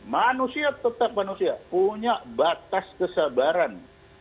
manusia tetap manusia punya batas kesabaran